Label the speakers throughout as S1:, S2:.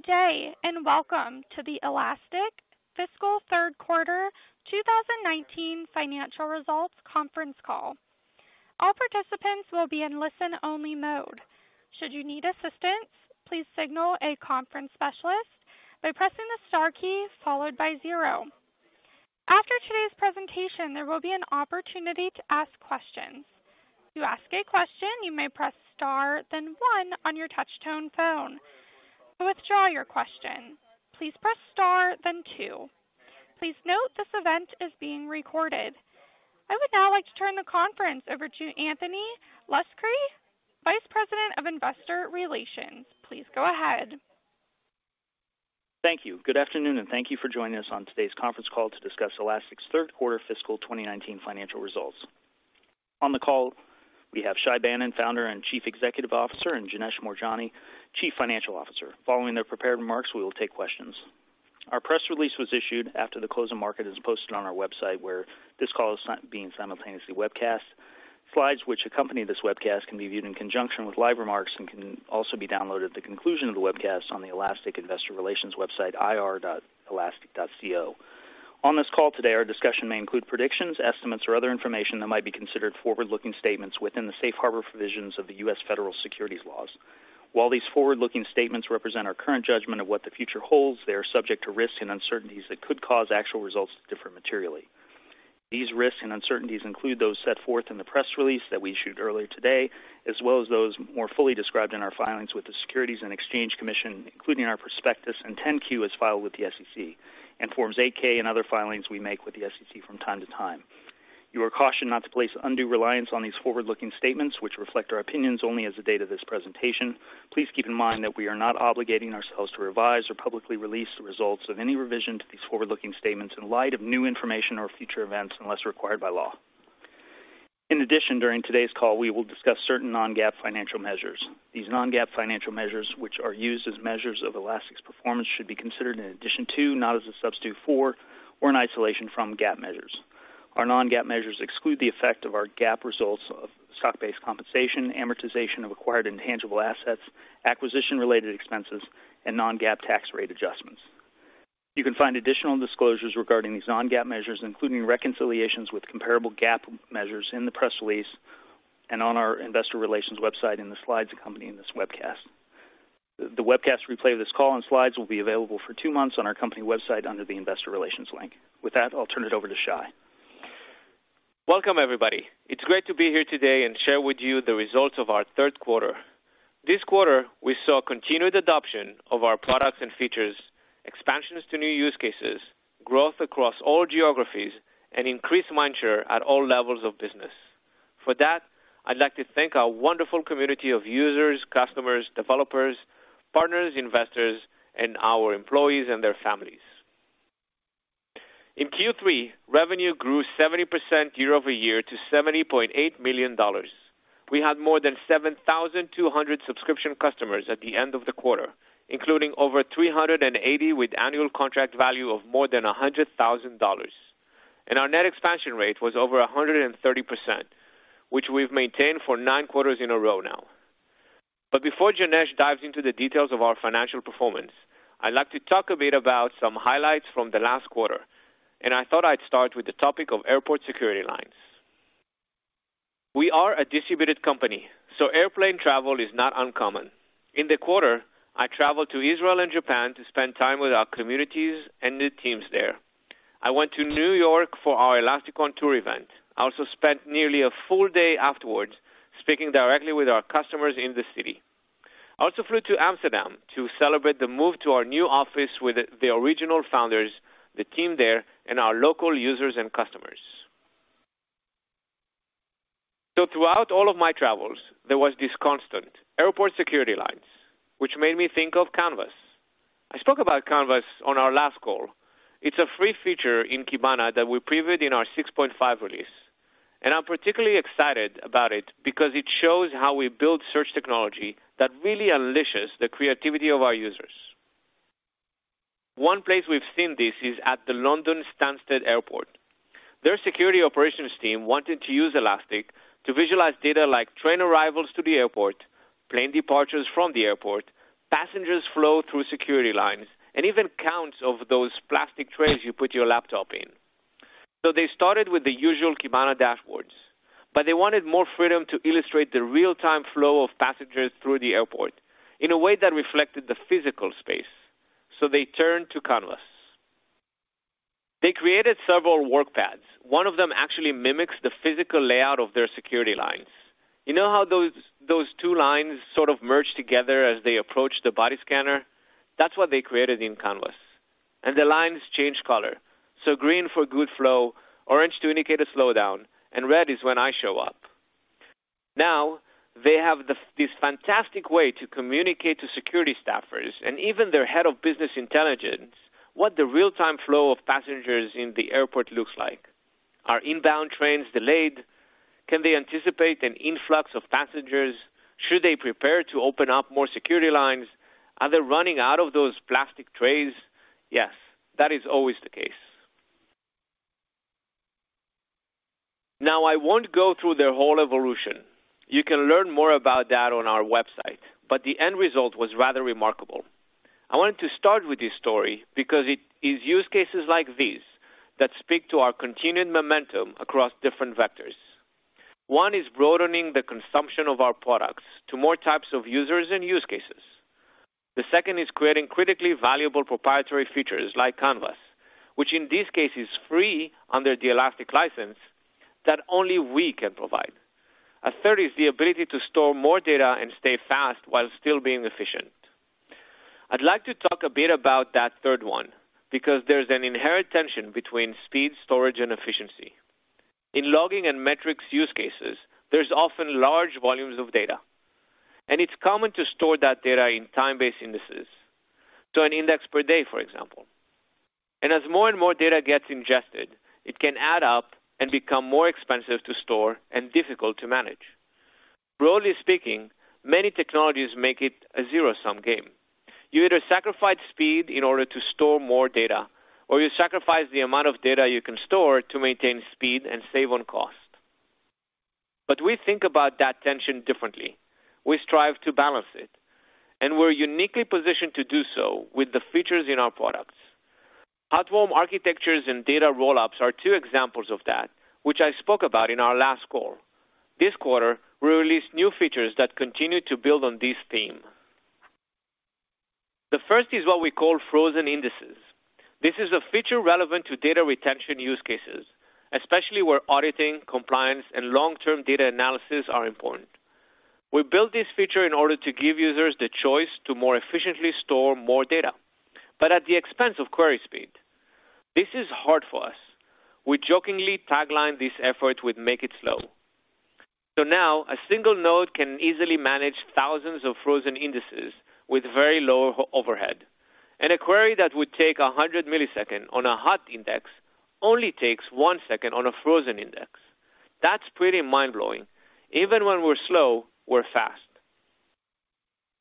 S1: Good day, welcome to the Elastic Fiscal Third Quarter 2019 financial results conference call. All participants will be in listen-only mode. Should you need assistance, please signal a conference specialist by pressing the star key followed by zero. After today's presentation, there will be an opportunity to ask questions. To ask a question, you may press star then one on your touch tone phone. To withdraw your question, please press star then two. Please note this event is being recorded. I would now like to turn the conference over to Anthony Luscri, Vice President of Investor Relations. Please go ahead.
S2: Thank you. Good afternoon, thank you for joining us on today's conference call to discuss Elastic's third quarter fiscal 2019 financial results. On the call, we have Shay Banon, Founder and Chief Executive Officer, and Janesh Moorjani, Chief Financial Officer. Following their prepared remarks, we will take questions. Our press release was issued after the close of market and is posted on our website where this call is being simultaneously webcast. Slides which accompany this webcast can be viewed in conjunction with live remarks and can also be downloaded at the conclusion of the webcast on the Elastic Investor Relations website, ir.elastic.co. On this call today, our discussion may include predictions, estimates, or other information that might be considered forward-looking statements within the safe harbor provisions of the U.S. federal securities laws. While these forward-looking statements represent our current judgment of what the future holds, they are subject to risks and uncertainties that could cause actual results to differ materially. These risks and uncertainties include those set forth in the press release that we issued earlier today, as well as those more fully described in our filings with the Securities and Exchange Commission, including our prospectus and 10-Q as filed with the SEC, and Forms 8-K and other filings we make with the SEC from time to time. You are cautioned not to place undue reliance on these forward-looking statements, which reflect our opinions only as of the date of this presentation. Please keep in mind that we are not obligating ourselves to revise or publicly release the results of any revision to these forward-looking statements in light of new information or future events unless required by law. In addition, during today's call, we will discuss certain non-GAAP financial measures. These non-GAAP financial measures, which are used as measures of Elastic's performance, should be considered in addition to, not as a substitute for, or in isolation from GAAP measures. Our non-GAAP measures exclude the effect of our GAAP results of stock-based compensation, amortization of acquired intangible assets, acquisition-related expenses, and non-GAAP tax rate adjustments. You can find additional disclosures regarding these non-GAAP measures, including reconciliations with comparable GAAP measures, in the press release and on our investor relations website in the slides accompanying this webcast. The webcast replay of this call and slides will be available for two months on our company website under the investor relations link. With that, I'll turn it over to Shay.
S3: Welcome, everybody. It's great to be here today and share with you the results of our third quarter. This quarter, we saw continued adoption of our products and features, expansions to new use cases, growth across all geographies, and increased mind share at all levels of business. For that, I'd like to thank our wonderful community of users, customers, developers, partners, investors, and our employees and their families. In Q3, revenue grew 70% year-over-year to $70.8 million. We had more than 7,200 subscription customers at the end of the quarter, including over 380 with annual contract value of more than $100,000. Our net expansion rate was over 130%, which we've maintained for nine quarters in a row now. Before Janesh dives into the details of our financial performance, I'd like to talk a bit about some highlights from the last quarter, and I thought I'd start with the topic of airport security lines. We are a distributed company, airplane travel is not uncommon. In the quarter, I traveled to Israel and Japan to spend time with our communities and new teams there. I went to New York for our ElasticON Tour event. I also spent nearly a full day afterwards speaking directly with our customers in the city. I also flew to Amsterdam to celebrate the move to our new office with the original founders, the team there, and our local users and customers. Throughout all of my travels, there was this constant, airport security lines, which made me think of Canvas. I spoke about Canvas on our last call. It's a free feature in Kibana that we previewed in our 6.5 release, and I'm particularly excited about it because it shows how we build search technology that really unleashes the creativity of our users. One place we've seen this is at the London Stansted Airport. Their security operations team wanted to use Elastic to visualize data like train arrivals to the airport, plane departures from the airport, passengers flow through security lines, and even counts of those plastic trays you put your laptop in. They started with the usual Kibana dashboards, but they wanted more freedom to illustrate the real-time flow of passengers through the airport in a way that reflected the physical space. They turned to Canvas. They created several work pads. One of them actually mimics the physical layout of their security lines. You know how those two lines sort of merge together as they approach the body scanner? That's what they created in Canvas. The lines change color, so green for good flow, orange to indicate a slowdown, and red is when I show up. Now, they have this fantastic way to communicate to security staffers and even their head of business intelligence what the real-time flow of passengers in the airport looks like. Are inbound trains delayed? Can they anticipate an influx of passengers? Should they prepare to open up more security lines? Are they running out of those plastic trays? Yes, that is always the case. Now, I won't go through their whole evolution. You can learn more about that on our website, but the end result was rather remarkable. I wanted to start with this story because it is use cases like these that speak to our continued momentum across different vectors. One is broadening the consumption of our products to more types of users and use cases. The second is creating critically valuable proprietary features like Canvas, which in this case is free under the Elastic License, that only we can provide. A third is the ability to store more data and stay fast while still being efficient. I'd like to talk a bit about that third one, because there's an inherent tension between speed, storage, and efficiency. In logging and metrics use cases, there's often large volumes of data, and it's common to store that data in time-based indices, so an index per day, for example. As more and more data gets ingested, it can add up and become more expensive to store and difficult to manage. Broadly speaking, many technologies make it a zero-sum game. You either sacrifice speed in order to store more data, or you sacrifice the amount of data you can store to maintain speed and save on cost. We think about that tension differently. We strive to balance it, and we're uniquely positioned to do so with the features in our products. Hot-warm architectures and data rollups are two examples of that, which I spoke about in our last call. This quarter, we released new features that continue to build on this theme. The first is what we call frozen indices. This is a feature relevant to data retention use cases, especially where auditing, compliance, and long-term data analysis are important. We built this feature in order to give users the choice to more efficiently store more data, but at the expense of query speed. This is hard for us. We jokingly taglined this effort with, "Make it slow." A single node can easily manage thousands of frozen indices with very low overhead, and a query that would take 100 milliseconds on a hot index only takes one second on a frozen index. That's pretty mind-blowing. Even when we're slow, we're fast.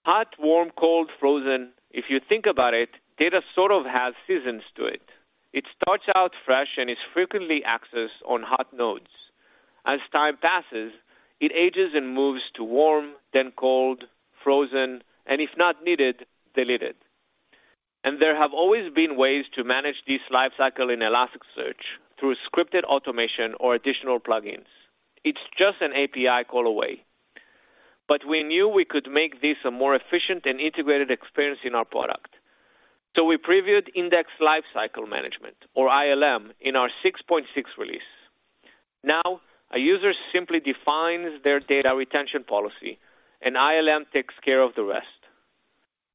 S3: Hot, warm, cold, frozen. If you think about it, data sort of has seasons to it. It starts out fresh and is frequently accessed on hot nodes. As time passes, it ages and moves to warm, then cold, frozen, and if not needed, deleted. There have always been ways to manage this lifecycle in Elasticsearch through scripted automation or additional plugins. It's just an API call away. We knew we could make this a more efficient and integrated experience in our product, we previewed Index Lifecycle Management, or ILM, in our 6.6 release. A user simply defines their data retention policy, and ILM takes care of the rest.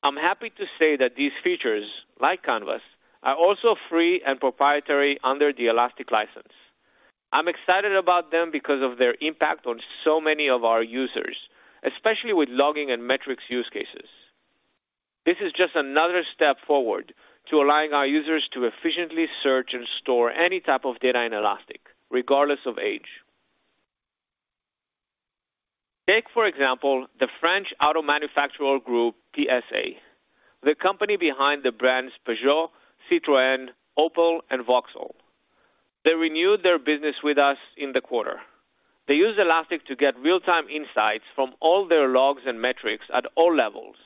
S3: I'm happy to say that these features, like Canvas, are also free and proprietary under the Elastic License. I'm excited about them because of their impact on so many of our users, especially with logging and metrics use cases. This is just another step forward to allowing our users to efficiently search and store any type of data in Elastic, regardless of age. Take, for example, the French auto manufacturer group, PSA, the company behind the brands Peugeot, Citroën, Opel, and Vauxhall. They renewed their business with us in the quarter. They use Elastic to get real-time insights from all their logs and metrics at all levels,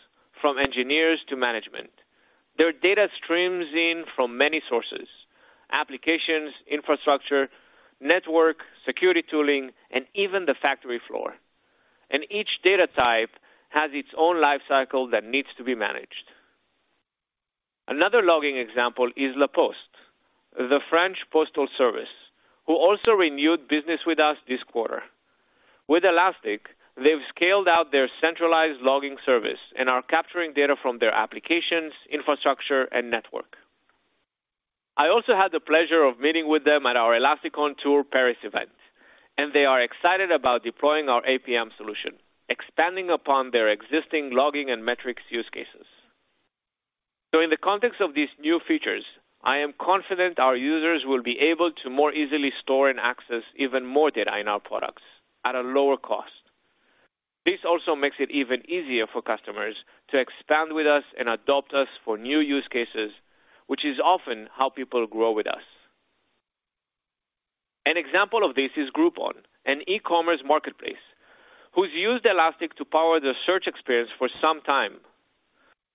S3: from engineers to management. Their data streams in from many sources, applications, infrastructure, network, security tooling, and even the factory floor. Each data type has its own lifecycle that needs to be managed. Another logging example is La Poste, the French postal service, who also renewed business with us this quarter. With Elastic, they've scaled out their centralized logging service and are capturing data from their applications, infrastructure, and network. I also had the pleasure of meeting with them at our ElasticON Tour Paris event. They are excited about deploying our APM solution, expanding upon their existing logging and metrics use cases. In the context of these new features, I am confident our users will be able to more easily store and access even more data in our products at a lower cost. This also makes it even easier for customers to expand with us and adopt us for new use cases, which is often how people grow with us. An example of this is Groupon, an e-commerce marketplace, who's used Elastic to power their search experience for some time.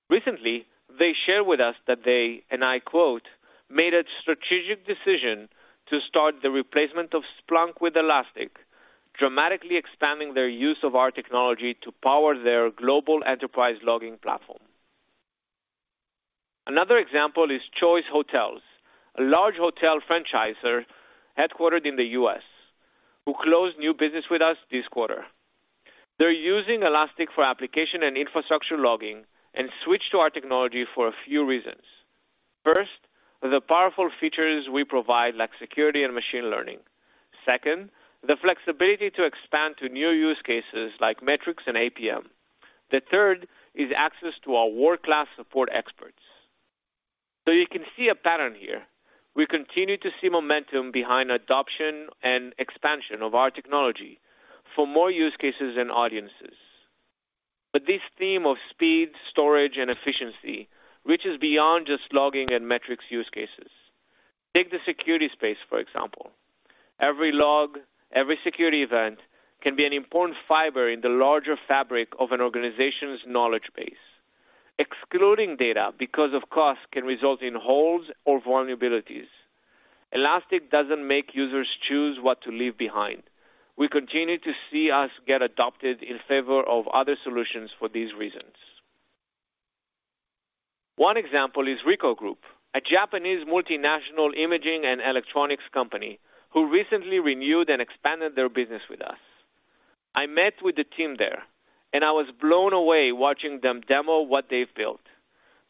S3: Recently, they shared with us that they, and I quote, "Made a strategic decision to start the replacement of Splunk with Elastic," dramatically expanding their use of our technology to power their global enterprise logging platform. Another example is Choice Hotels, a large hotel franchisor headquartered in the U.S., who closed new business with us this quarter. They're using Elastic for application and infrastructure logging and switched to our technology for a few reasons. First, the powerful features we provide, like security and machine learning. Second, the flexibility to expand to new use cases like metrics and APM. The third is access to our world-class support experts. You can see a pattern here. We continue to see momentum behind adoption and expansion of our technology for more use cases and audiences. But this theme of speed, storage, and efficiency reaches beyond just logging and metrics use cases. Take the security space, for example. Every log, every security event, can be an important fiber in the larger fabric of an organization's knowledge base. Excluding data because of cost can result in holes or vulnerabilities. Elastic doesn't make users choose what to leave behind. We continue to see us get adopted in favor of other solutions for these reasons. One example is Ricoh Group, a Japanese multinational imaging and electronics company, who recently renewed and expanded their business with us. I met with the team there. I was blown away watching them demo what they've built.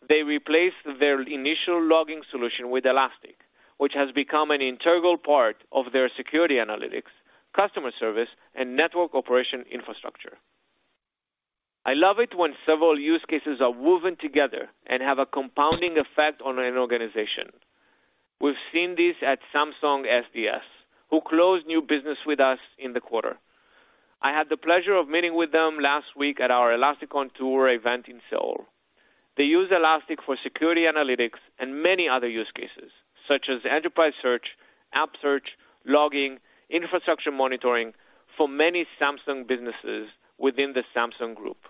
S3: They replaced their initial logging solution with Elastic, which has become an integral part of their security analytics, customer service, and network operation infrastructure. I love it when several use cases are woven together and have a compounding effect on an organization. We've seen this at Samsung SDS, who closed new business with us in the quarter. I had the pleasure of meeting with them last week at our ElasticON Tour event in Seoul. They use Elastic for security analytics and many other use cases, such as enterprise search, app search, logging, infrastructure monitoring for many Samsung businesses within the Samsung Group.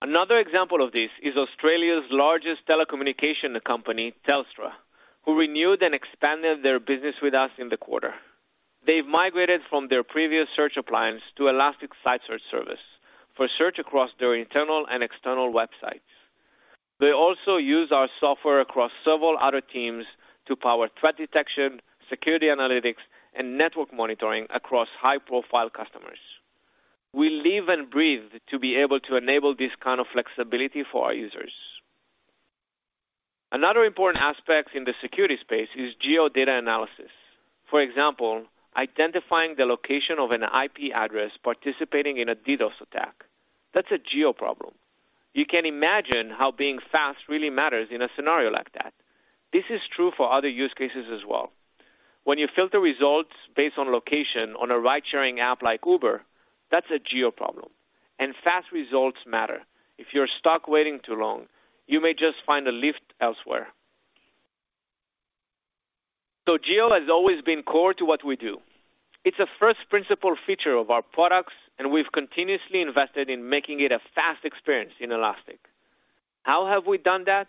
S3: Another example of this is Australia's largest telecommunication company, Telstra, who renewed and expanded their business with us in the quarter. They've migrated from their previous search appliance to Elastic Site Search for search across their internal and external websites. They also use our software across several other teams to power threat detection, security analytics, and network monitoring across high-profile customers. We live and breathe to be able to enable this kind of flexibility for our users. Another important aspect in the security space is geo data analysis. For example, identifying the location of an IP address participating in a DDoS attack. That's a geo problem. You can imagine how being fast really matters in a scenario like that. This is true for other use cases as well. When you filter results based on location on a ride-sharing app like Uber, that's a geo problem, and fast results matter. If you're stuck waiting too long, you may just find a Lyft elsewhere. Geo has always been core to what we do. It's a first-principle feature of our products, and we've continuously invested in making it a fast experience in Elastic. How have we done that?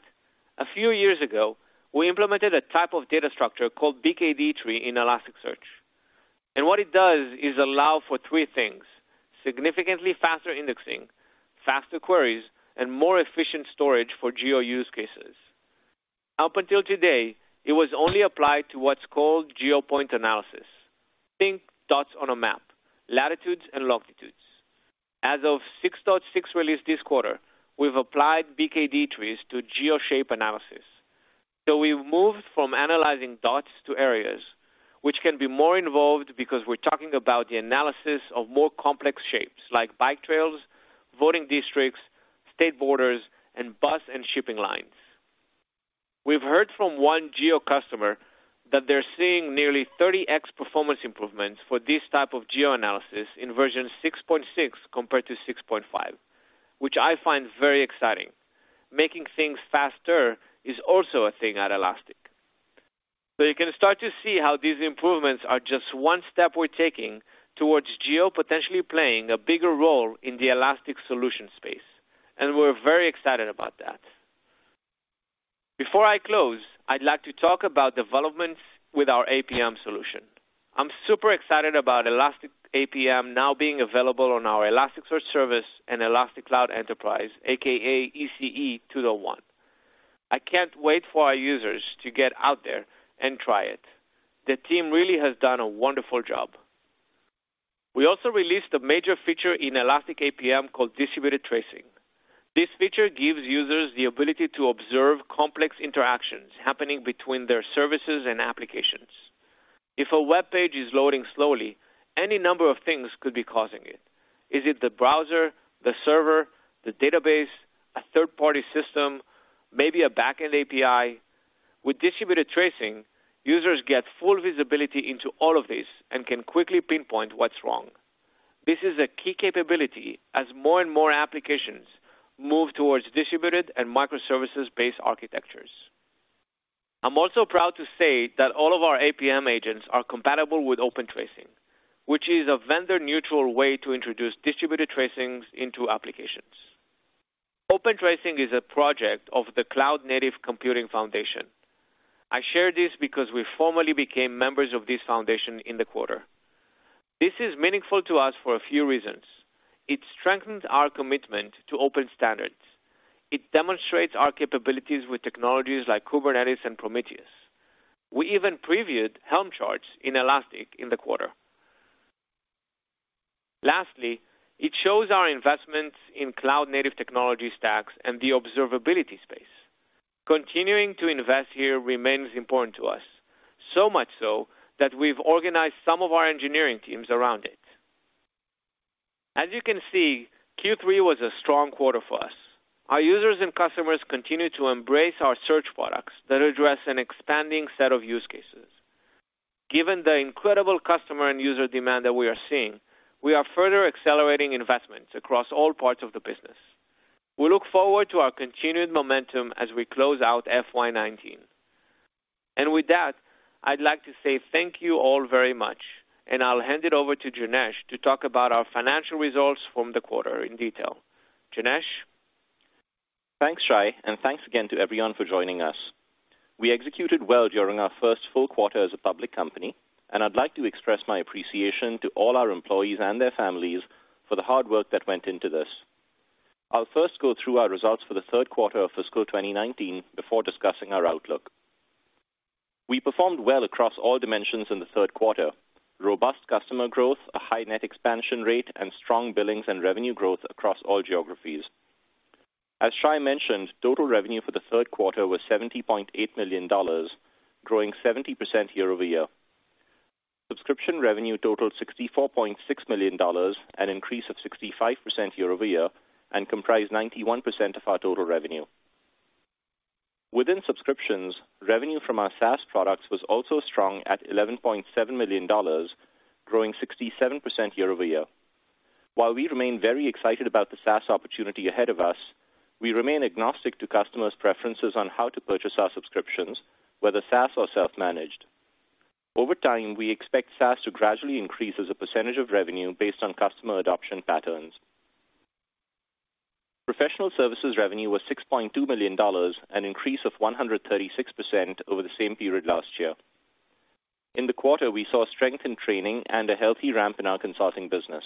S3: A few years ago, we implemented a type of data structure called BKD tree in Elasticsearch. What it does is allow for three things, significantly faster indexing, faster queries, and more efficient storage for geo use cases. Up until today, it was only applied to what's called geo_point analysis. Think dots on a map, latitudes and longitudes. As of 6.6 release this quarter, we've applied BKD trees to geo_shape analysis. We've moved from analyzing dots to areas, which can be more involved because we're talking about the analysis of more complex shapes like bike trails, voting districts, state borders, and bus and shipping lines. We've heard from one geo customer that they're seeing nearly 30x performance improvements for this type of geo analysis in version 6.6 compared to 6.5, which I find very exciting. Making things faster is also a thing at Elastic. You can start to see how these improvements are just one step we're taking towards geo potentially playing a bigger role in the Elastic solution space, and we're very excited about that. Before I close, I'd like to talk about developments with our APM solution. I'm super excited about Elastic APM now being available on our Elasticsearch Service and Elastic Cloud Enterprise, AKA ECE 2.1. I can't wait for our users to get out there and try it. The team really has done a wonderful job. We also released a major feature in Elastic APM called Distributed Tracing. This feature gives users the ability to observe complex interactions happening between their services and applications. If a webpage is loading slowly, any number of things could be causing it. Is it the browser, the server, the database, a third-party system, maybe a back-end API? With Distributed Tracing, users get full visibility into all of this and can quickly pinpoint what's wrong. This is a key capability as more and more applications move towards distributed and microservices-based architectures. I'm also proud to state that all of our APM agents are compatible with OpenTracing, which is a vendor-neutral way to introduce Distributed Tracing into applications. OpenTracing is a project of the Cloud Native Computing Foundation. I share this because we formally became members of this foundation in the quarter. This is meaningful to us for a few reasons. It strengthens our commitment to open standards. It demonstrates our capabilities with technologies like Kubernetes and Prometheus. We even previewed Helm charts in Elastic in the quarter. It shows our investments in cloud-native technology stacks and the observability space. Continuing to invest here remains important to us, so much so that we've organized some of our engineering teams around it. As you can see, Q3 was a strong quarter for us. Our users and customers continue to embrace our search products that address an expanding set of use cases. Given the incredible customer and user demand that we are seeing, we are further accelerating investments across all parts of the business. We look forward to our continued momentum as we close out FY 2019. With that, I'd like to say thank you all very much, I'll hand it over to Janesh to talk about our financial results from the quarter in detail. Janesh?
S4: Thanks, Shay, thanks again to everyone for joining us. We executed well during our first full quarter as a public company, I'd like to express my appreciation to all our employees and their families for the hard work that went into this. I'll first go through our results for the third quarter of fiscal 2019 before discussing our outlook. We performed well across all dimensions in the third quarter. Robust customer growth, a high net expansion rate, strong billings and revenue growth across all geographies. As Shay mentioned, total revenue for the third quarter was $70.8 million, growing 70% year-over-year. Subscription revenue totaled $64.6 million, an increase of 65% year-over-year, comprised 91% of our total revenue. Within subscriptions, revenue from our SaaS products was also strong at $11.7 million, growing 67% year-over-year. While we remain very excited about the SaaS opportunity ahead of us, we remain agnostic to customers' preferences on how to purchase our subscriptions, whether SaaS or self-managed. Over time, we expect SaaS to gradually increase as a percentage of revenue based on customer adoption patterns. Professional services revenue was $6.2 million, an increase of 136% over the same period last year. In the quarter, we saw strength in training and a healthy ramp in our consulting business.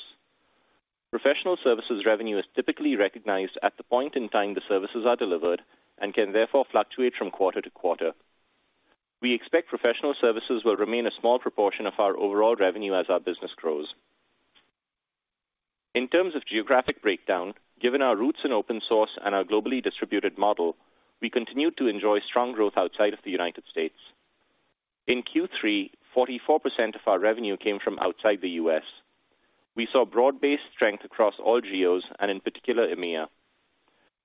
S4: Professional services revenue is typically recognized at the point in time the services are delivered and can therefore fluctuate from quarter to quarter. We expect professional services will remain a small proportion of our overall revenue as our business grows. In terms of geographic breakdown, given our roots in open source and our globally distributed model, we continue to enjoy strong growth outside of the U.S. In Q3, 44% of our revenue came from outside the U.S. We saw broad-based strength across all geos and in particular, EMEA.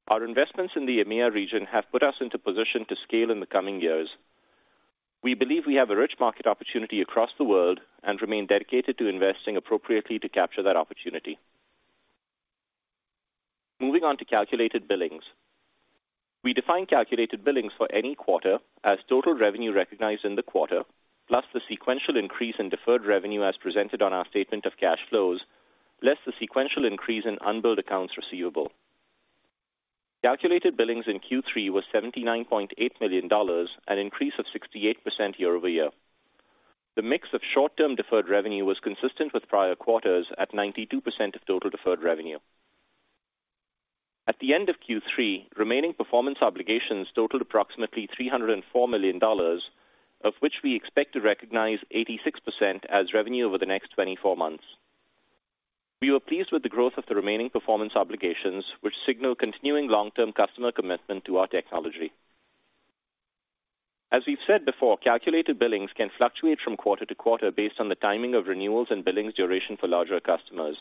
S4: Our investments in the EMEA region have put us into position to scale in the coming years. We believe we have a rich market opportunity across the world and remain dedicated to investing appropriately to capture that opportunity. Moving on to calculated billings. We define calculated billings for any quarter as total revenue recognized in the quarter, plus the sequential increase in deferred revenue as presented on our statement of cash flows, less the sequential increase in unbilled accounts receivable. Calculated billings in Q3 were $79.8 million, an increase of 68% year-over-year. The mix of short-term deferred revenue was consistent with prior quarters at 92% of total deferred revenue. At the end of Q3, remaining performance obligations totaled approximately $304 million, of which we expect to recognize 86% as revenue over the next 24 months. We were pleased with the growth of the remaining performance obligations, which signal continuing long-term customer commitment to our technology. As we've said before, calculated billings can fluctuate from quarter to quarter based on the timing of renewals and billings duration for larger customers.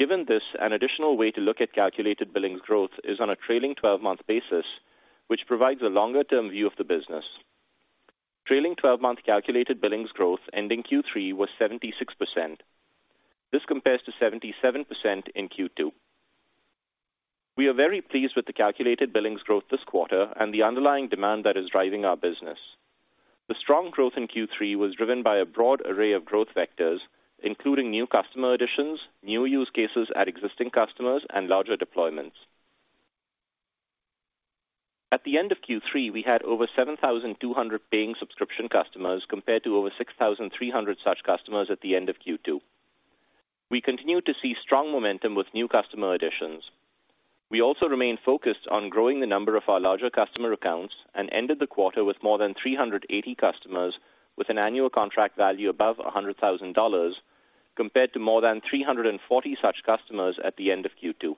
S4: Given this, an additional way to look at calculated billings growth is on a trailing 12-month basis, which provides a longer-term view of the business. Trailing 12-month calculated billings growth ending Q3 was 76%. This compares to 77% in Q2. We are very pleased with the calculated billings growth this quarter and the underlying demand that is driving our business. The strong growth in Q3 was driven by a broad array of growth vectors, including new customer additions, new use cases at existing customers, and larger deployments. At the end of Q3, we had over 7,200 paying subscription customers, compared to over 6,300 such customers at the end of Q2. We continue to see strong momentum with new customer additions. We also remain focused on growing the number of our larger customer accounts and ended the quarter with more than 380 customers with an annual contract value above $100,000, compared to more than 340 such customers at the end of Q2.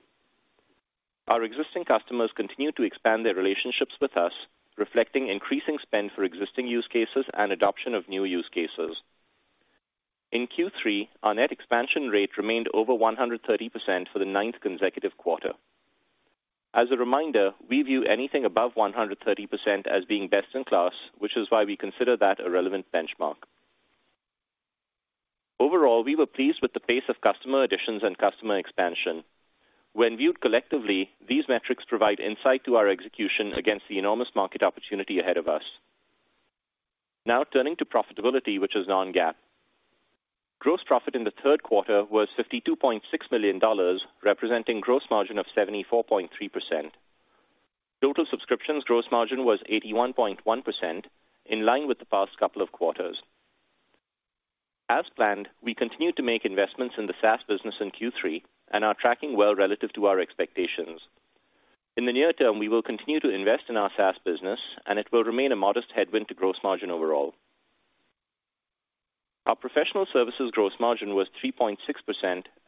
S4: Our existing customers continue to expand their relationships with us, reflecting increasing spend for existing use cases and adoption of new use cases. In Q3, our net expansion rate remained over 130% for the ninth consecutive quarter. As a reminder, we view anything above 130% as being best in class, which is why we consider that a relevant benchmark. Overall, we were pleased with the pace of customer additions and customer expansion. When viewed collectively, these metrics provide insight to our execution against the enormous market opportunity ahead of us. Now turning to profitability, which is non-GAAP. Gross profit in the third quarter was $52.6 million, representing gross margin of 74.3%. Total subscriptions gross margin was 81.1%, in line with the past couple of quarters. As planned, we continued to make investments in the SaaS business in Q3 and are tracking well relative to our expectations. In the near term, we will continue to invest in our SaaS business, and it will remain a modest headwind to gross margin overall. Our professional services gross margin was 3.6%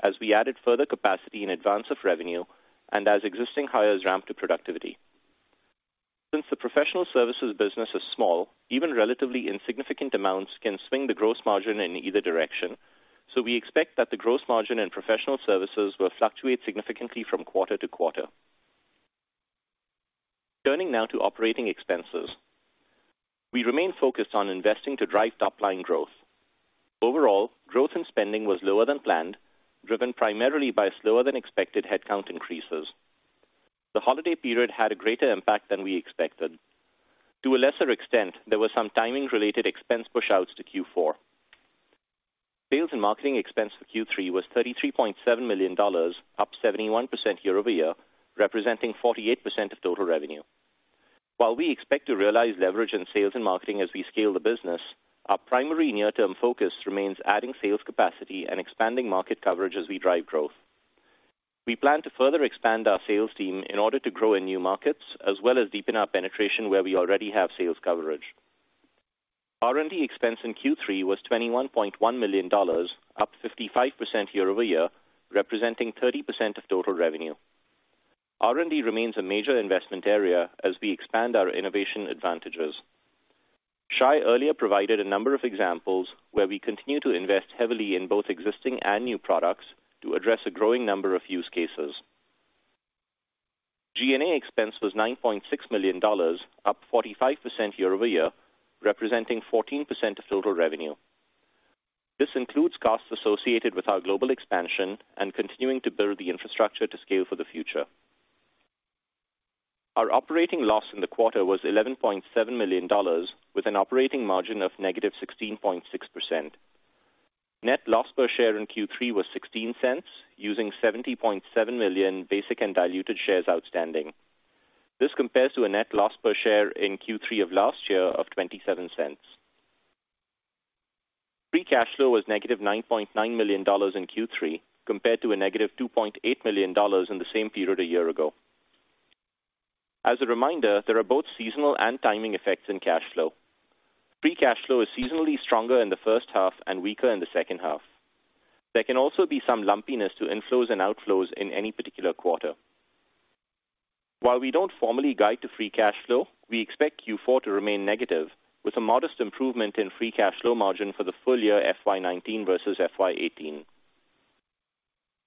S4: as we added further capacity in advance of revenue and as existing hires ramped to productivity. Since the professional services business is small, even relatively insignificant amounts can swing the gross margin in either direction, so we expect that the gross margin in professional services will fluctuate significantly from quarter to quarter. Turning now to operating expenses. We remain focused on investing to drive top-line growth. Overall, growth in spending was lower than planned, driven primarily by slower than expected headcount increases. The holiday period had a greater impact than we expected. To a lesser extent, there were some timing related expense pushouts to Q4. Sales and marketing expense for Q3 was $33.7 million, up 71% year-over-year, representing 48% of total revenue. While we expect to realize leverage in sales and marketing as we scale the business, our primary near-term focus remains adding sales capacity and expanding market coverage as we drive growth. We plan to further expand our sales team in order to grow in new markets, as well as deepen our penetration where we already have sales coverage. R&D expense in Q3 was $21.9 million, up 55% year-over-year, representing 30% of total revenue. R&D remains a major investment area as we expand our innovation advantages. Shay earlier provided a number of examples where we continue to invest heavily in both existing and new products to address a growing number of use cases. G&A expense was $9.6 million, up 45% year-over-year, representing 14% of total revenue. Our operating loss in the quarter was $11.7 million, with an operating margin of negative 16.6%. Net loss per share in Q3 was $0.16, using 70.7 million basic and diluted shares outstanding. This compares to a net loss per share in Q3 of last year of $0.27. Free cash flow was negative $9.9 million in Q3, compared to a negative $2.8 million in the same period a year ago. As a reminder, there are both seasonal and timing effects in cash flow. Free cash flow is seasonally stronger in the first half and weaker in the second half. There can also be some lumpiness to inflows and outflows in any particular quarter. While we don't formally guide to free cash flow, we expect Q4 to remain negative, with a modest improvement in free cash flow margin for the full year FY 2019 versus FY 2018.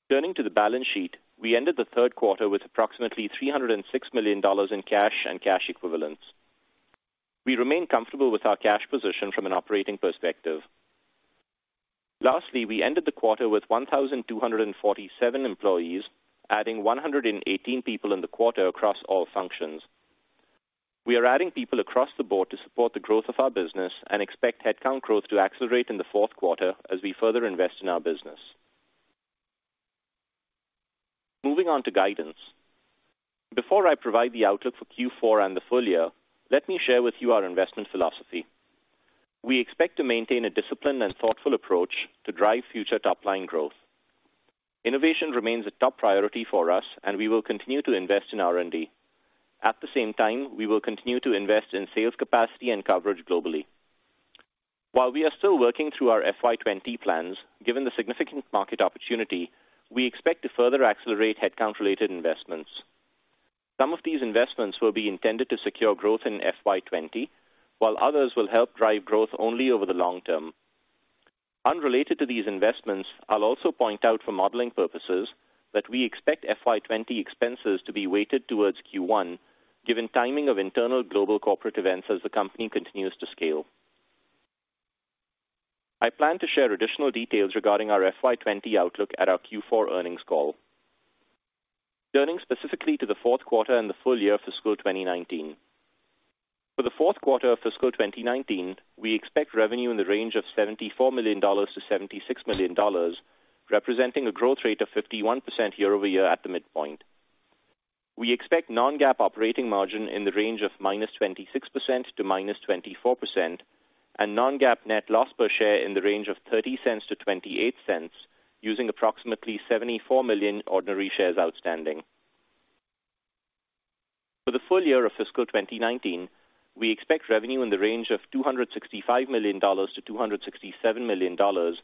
S4: Turning to the balance sheet, we ended the third quarter with approximately $306 million in cash and cash equivalents. We remain comfortable with our cash position from an operating perspective. Lastly, we ended the quarter with 1,247 employees, adding 118 people in the quarter across all functions. We are adding people across the board to support the growth of our business and expect headcount growth to accelerate in the fourth quarter as we further invest in our business. Moving on to guidance. Before I provide the outlook for Q4 and the full year, let me share with you our investment philosophy. We expect to maintain a disciplined and thoughtful approach to drive future top-line growth. Innovation remains a top priority for us and we will continue to invest in R&D. At the same time, we will continue to invest in sales capacity and coverage globally. While we are still working through our FY 2020 plans, given the significant market opportunity, we expect to further accelerate headcount related investments. Some of these investments will be intended to secure growth in FY 2020, while others will help drive growth only over the long term. Unrelated to these investments, I'll also point out for modeling purposes that we expect FY 2020 expenses to be weighted towards Q1, given timing of internal global corporate events as the company continues to scale. I plan to share additional details regarding our FY 2020 outlook at our Q4 earnings call. Turning specifically to the fourth quarter and the full year of fiscal 2019. For the fourth quarter of fiscal 2019, we expect revenue in the range of $74 million-$76 million, representing a growth rate of 51% year-over-year at the midpoint. We expect non-GAAP operating margin in the range of -26% to -24%, and non-GAAP net loss per share in the range of $0.30 to $0.28, using approximately 74 million ordinary shares outstanding. For the full year of fiscal 2019, we expect revenue in the range of $265 million-$267 million,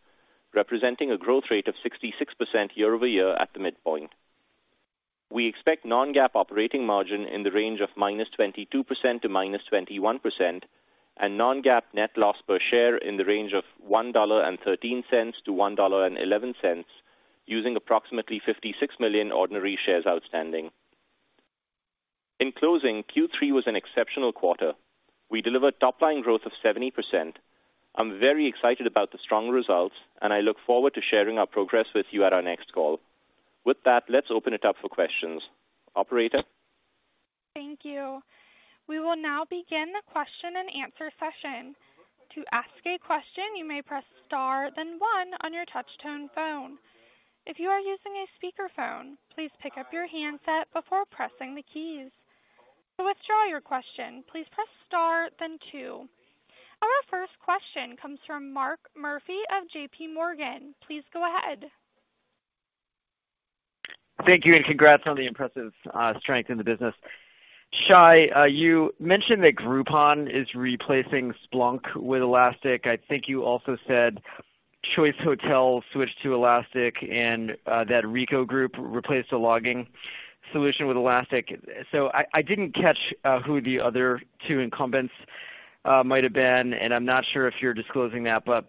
S4: representing a growth rate of 66% year-over-year at the midpoint. We expect non-GAAP operating margin in the range of -22% to -21%, and non-GAAP net loss per share in the range of $1.13 to $1.11 using approximately 56 million ordinary shares outstanding. In closing, Q3 was an exceptional quarter. We delivered top-line growth of 70%. I'm very excited about the strong results, and I look forward to sharing our progress with you at our next call. With that, let's open it up for questions. Operator?
S1: Thank you. We will now begin the question and answer session. To ask a question, you may press star then one on your touch tone phone. If you are using a speakerphone, please pick up your handset before pressing the keys. To withdraw your question, please press star then two. Our first question comes from Mark Murphy of J.P. Morgan. Please go ahead.
S5: Thank you. Congrats on the impressive strength in the business. Shay, you mentioned that Groupon is replacing Splunk with Elastic. I think you also said Choice Hotels switched to Elastic and that Ricoh Group replaced a logging solution with Elastic. I didn't catch who the other two incumbents might have been, and I'm not sure if you're disclosing that, but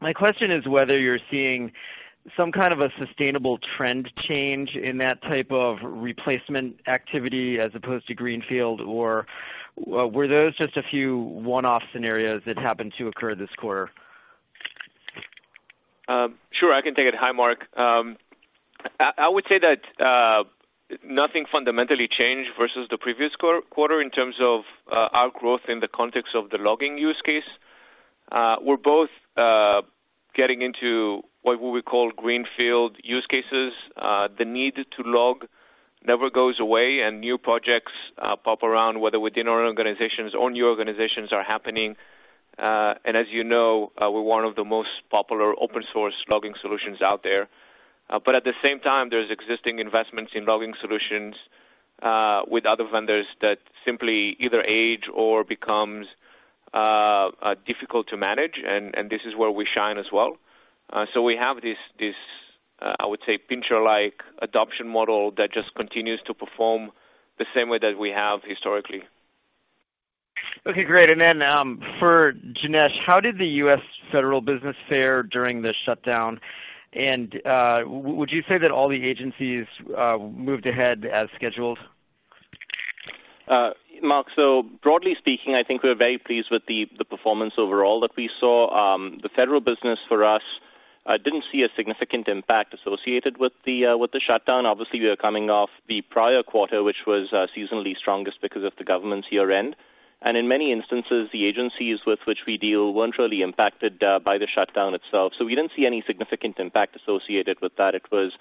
S5: My question is whether you're seeing some kind of a sustainable trend change in that type of replacement activity as opposed to greenfield, or were those just a few one-off scenarios that happened to occur this quarter?
S3: Sure. I can take it. Hi, Mark. I would say that nothing fundamentally changed versus the previous quarter in terms of our growth in the context of the logging use case. We're both getting into what we call greenfield use cases. The need to log never goes away, and new projects pop around, whether within our organizations or new organizations are happening. As you know, we're one of the most popular open source logging solutions out there. At the same time, there's existing investments in logging solutions, with other vendors that simply either age or becomes difficult to manage. This is where we shine as well. We have this, I would say, pincher-like adoption model that just continues to perform the same way that we have historically.
S5: Okay, great. Then, for Janesh, how did the U.S. federal business fare during the shutdown? Would you say that all the agencies moved ahead as scheduled?
S4: Mark, broadly speaking, I think we're very pleased with the performance overall that we saw. The federal business for us, didn't see a significant impact associated with the shutdown. Obviously, we are coming off the prior quarter, which was seasonally strongest because of the government's year-end. In many instances, the agencies with which we deal weren't really impacted by the shutdown itself. We didn't see any significant impact associated with that. It was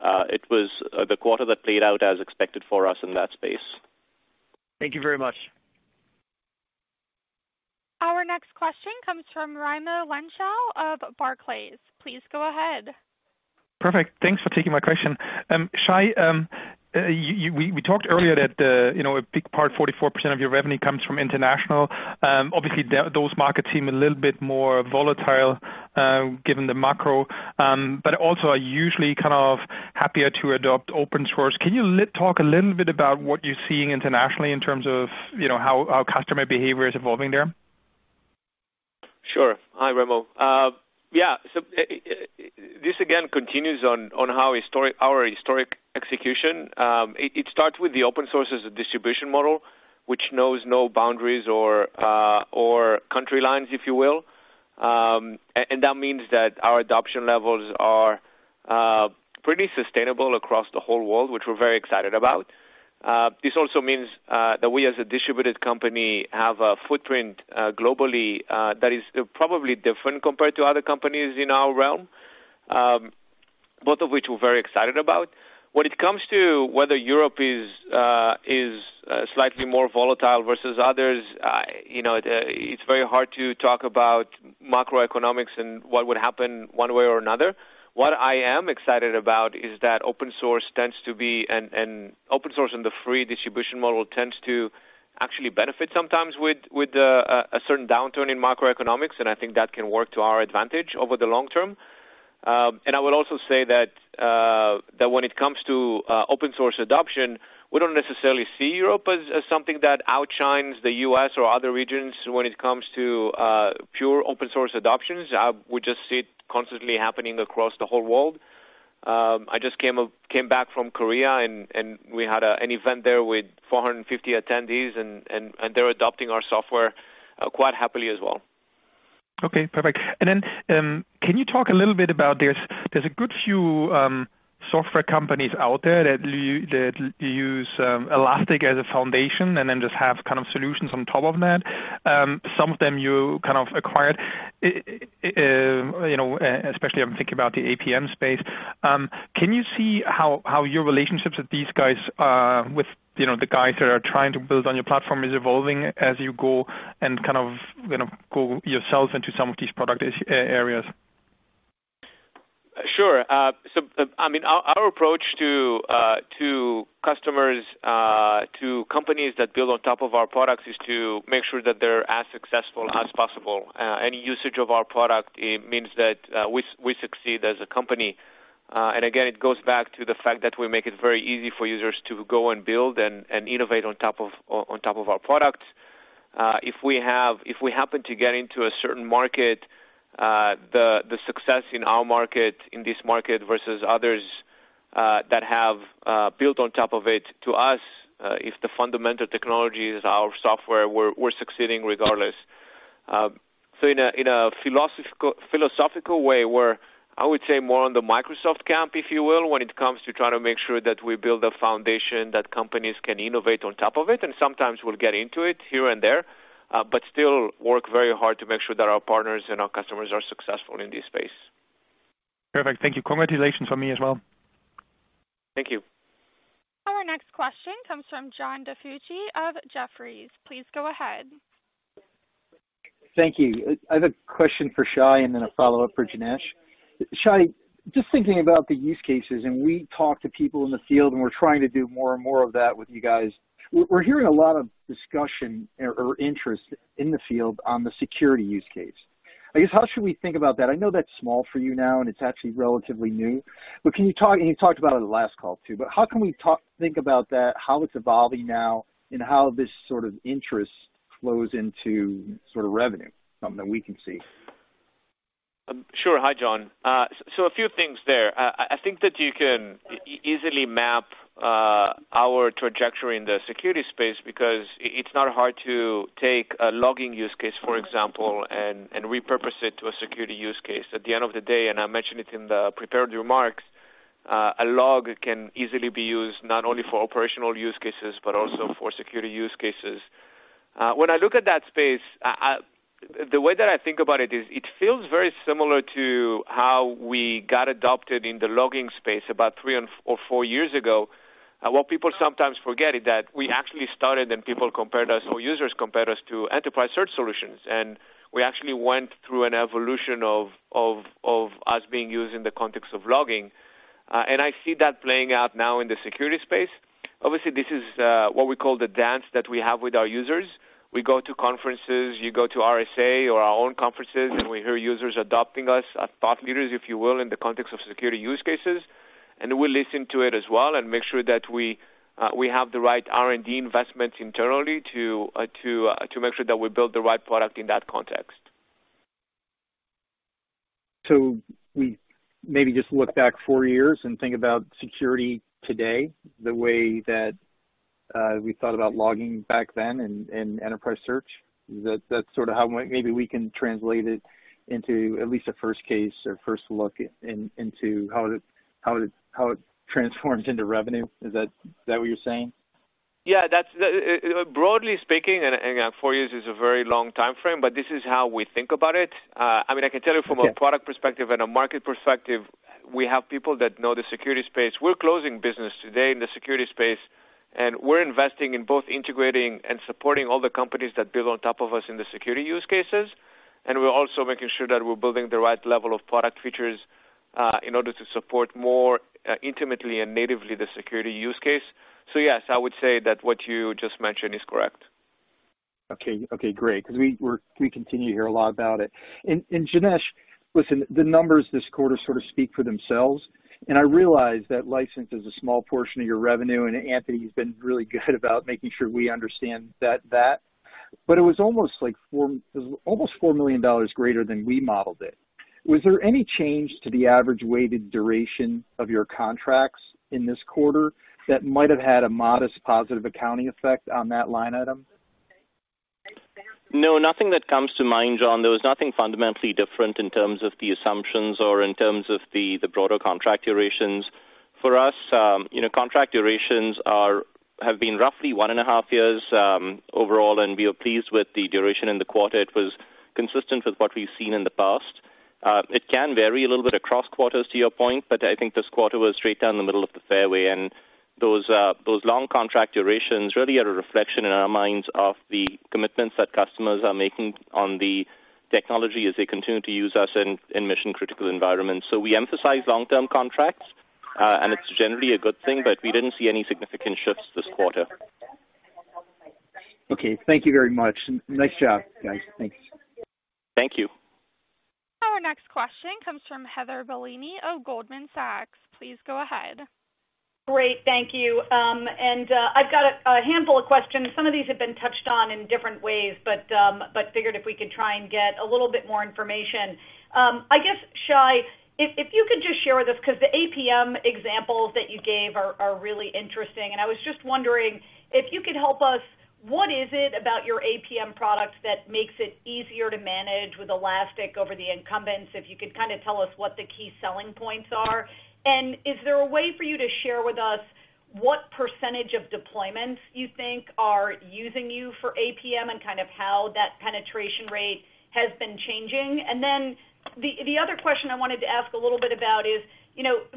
S4: the quarter that played out as expected for us in that space.
S5: Thank you very much.
S1: Our next question comes from Raimo Lenschow of Barclays. Please go ahead.
S6: Perfect. Thanks for taking my question. Shay, we talked earlier that a big part, 44% of your revenue comes from international. Obviously, those markets seem a little bit more volatile, given the macro, but also are usually kind of happier to adopt open source. Can you talk a little bit about what you're seeing internationally in terms of how customer behavior is evolving there?
S3: Sure. Hi, Raimo. Yeah. This again continues on our historic execution. It starts with the open source as a distribution model, which knows no boundaries or country lines, if you will. That means that our adoption levels are pretty sustainable across the whole world, which we're very excited about. This also means that we, as a distributed company, have a footprint globally, that is probably different compared to other companies in our realm, both of which we're very excited about. When it comes to whether Europe is slightly more volatile versus others, it's very hard to talk about macroeconomics and what would happen one way or another. What I am excited about is that open source and the free distribution model tends to actually benefit sometimes with a certain downturn in macroeconomics, and I think that can work to our advantage over the long term. I would also say that when it comes to open source adoption, we don't necessarily see Europe as something that outshines the U.S. or other regions when it comes to pure open source adoptions. We just see it constantly happening across the whole world. I just came back from Korea, and we had an event there with 450 attendees, and they're adopting our software quite happily as well.
S6: Okay, perfect. Can you talk a little bit about There's a good few software companies out there that use Elastic as a foundation and then just have kind of solutions on top of that. Some of them you kind of acquired, especially I'm thinking about the APM space. Can you see how your relationships with the guys that are trying to build on your platform is evolving as you go and kind of go yourselves into some of these product areas?
S3: Sure. Our approach to customers, to companies that build on top of our products is to make sure that they're as successful as possible. Any usage of our product, it means that we succeed as a company. Again, it goes back to the fact that we make it very easy for users to go and build and innovate on top of our products. If we happen to get into a certain market, the success in our market, in this market versus others, that have built on top of it, to us, if the fundamental technology is our software, we're succeeding regardless. In a philosophical way, we're, I would say, more on the Microsoft camp, if you will, when it comes to trying to make sure that we build a foundation that companies can innovate on top of it, and sometimes we'll get into it here and there, but still work very hard to make sure that our partners and our customers are successful in this space.
S6: Perfect. Thank you. Congratulations from me as well.
S3: Thank you.
S1: Our next question comes from John DiFucci of Jefferies. Please go ahead.
S7: Thank you. I have a question for Shay and then a follow-up for Janesh. Shay, just thinking about the use cases, and we talk to people in the field, and we're trying to do more and more of that with you guys. We're hearing a lot of discussion or interest in the field on the security use case. I guess how should we think about that? I know that's small for you now, and it's actually relatively new. You talked about it in the last call, too, but how can we think about that, how it's evolving now, and how this sort of interest flows into sort of revenue, something that we can see?
S3: Sure. Hi, John. A few things there. I think that you can easily map our trajectory in the security space because it's not hard to take a logging use case, for example, and repurpose it to a security use case. At the end of the day, and I mentioned it in the prepared remarks, a log can easily be used not only for operational use cases but also for security use cases. When I look at that space, the way that I think about it is, it feels very similar to how we got adopted in the logging space about three or four years ago. What people sometimes forget is that we actually started and people compared us, or users compared us to enterprise search solutions. We actually went through an evolution of us being used in the context of logging. I see that playing out now in the security space. Obviously, this is what we call the dance that we have with our users. We go to conferences, you go to RSA or our own conferences, and we hear users adopting us as thought leaders, if you will, in the context of security use cases. We listen to it as well and make sure that we have the right R&D investments internally to make sure that we build the right product in that context.
S7: We maybe just look back four years and think about security today, the way that we thought about logging back then and enterprise search. That's sort of how maybe we can translate it into at least a first case or first look into how it transforms into revenue. Is that what you're saying?
S3: Yeah. Broadly speaking, four years is a very long timeframe, but this is how we think about it. I can tell you from a product perspective and a market perspective, we have people that know the security space. We're closing business today in the security space, we're investing in both integrating and supporting all the companies that build on top of us in the security use cases. We're also making sure that we're building the right level of product features, in order to support more intimately and natively the security use case. Yes, I would say that what you just mentioned is correct.
S7: Okay, great. We continue to hear a lot about it. Janesh, listen, the numbers this quarter sort of speak for themselves, and I realize that license is a small portion of your revenue, and Anthony's been really good about making sure we understand that. It was almost $4 million greater than we modeled it. Was there any change to the average weighted duration of your contracts in this quarter that might have had a modest positive accounting effect on that line item?
S4: No, nothing that comes to mind, John. There was nothing fundamentally different in terms of the assumptions or in terms of the broader contract durations. For us, contract durations have been roughly one and a half years, overall. We are pleased with the duration in the quarter. It was consistent with what we've seen in the past. It can vary a little bit across quarters, to your point. I think this quarter was straight down the middle of the fairway, and those long contract durations really are a reflection in our minds of the commitments that customers are making on the technology as they continue to use us in mission-critical environments. We emphasize long-term contracts, and it's generally a good thing. We didn't see any significant shifts this quarter.
S7: Okay. Thank you very much. Nice job, guys. Thanks.
S4: Thank you.
S1: Our next question comes from Heather Bellini of Goldman Sachs. Please go ahead.
S8: Great. Thank you. I've got a handful of questions. Some of these have been touched on in different ways, figured if we could try and get a little bit more information. I guess, Shay, if you could just share with us, because the APM examples that you gave are really interesting, I was just wondering if you could help us, what is it about your APM products that makes it easier to manage with Elastic over the incumbents? If you could kind of tell us what the key selling points are. Is there a way for you to share with us what % of deployments you think are using you for APM and kind of how that penetration rate has been changing? The other question I wanted to ask a little bit about is,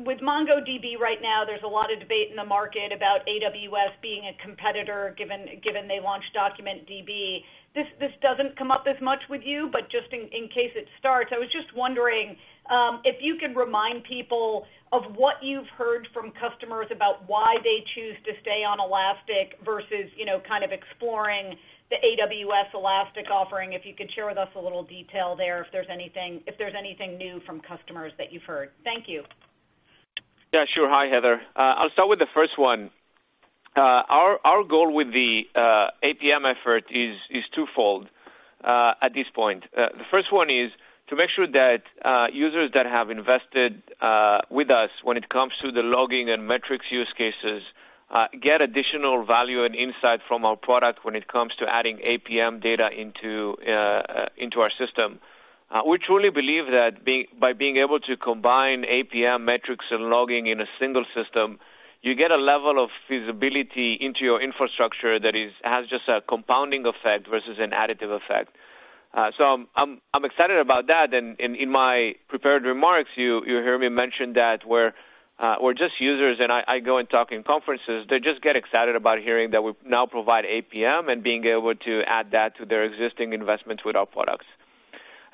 S8: with MongoDB right now, there's a lot of debate in the market about AWS being a competitor, given they launched DocumentDB. This doesn't come up as much with you, just in case it starts, I was just wondering, if you could remind people of what you've heard from customers about why they choose to stay on Elastic versus exploring the AWS Elastic offering. If you could share with us a little detail there, if there's anything new from customers that you've heard. Thank you.
S3: Yeah, sure. Hi, Heather. I'll start with the first one. Our goal with the APM effort is twofold at this point. The first one is to make sure that users that have invested with us when it comes to the logging and metrics use cases get additional value and insight from our product when it comes to adding APM data into our system. We truly believe that by being able to combine APM metrics and logging in a single system, you get a level of visibility into your infrastructure that has just a compounding effect versus an additive effect. I'm excited about that, in my prepared remarks, you hear me mention that we're just users, I go and talk in conferences. They just get excited about hearing that we now provide APM being able to add that to their existing investments with our products.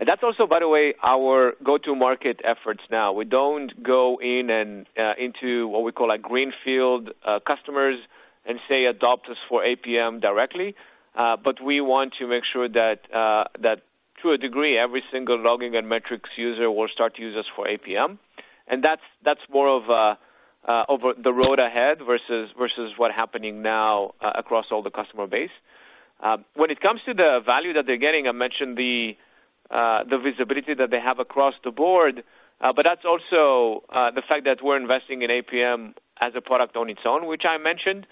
S3: That's also, by the way, our go-to-market efforts now. We don't go into what we call greenfield customers and say, "Adopt us for APM directly." We want to make sure that to a degree, every single logging and metrics user will start to use us for APM. That's more of the road ahead versus what's happening now across all the customer base. When it comes to the value that they're getting, I mentioned the visibility that they have across the board, but that's also the fact that we're investing in APM as a product on its own, which I mentioned.